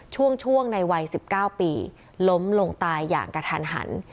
ช่วงในวัย๑๙ปีล้มลงตายอย่างกระทันหัน